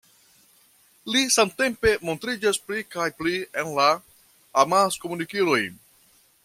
Li samtempe montriĝas pli kaj pli en la amaskomunikiloj.